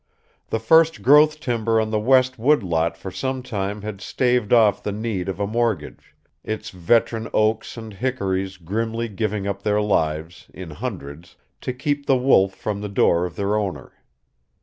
The first growth timber on the west woodlot for some time had staved off the need of a mortgage; its veteran oaks and hickories grimly giving up their lives, in hundreds, to keep the wolf from the door of their owner.